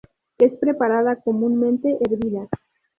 Es preparada comúnmente hervida.